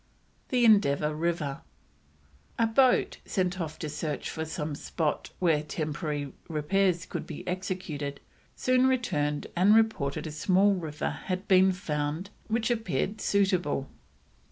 THE ENDEAVOUR RIVER. A boat sent off to search for some spot where temporary repairs could be executed, soon returned and reported a small river had been found which appeared suitable.